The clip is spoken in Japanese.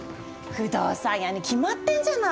不動産屋に決まってんじゃない。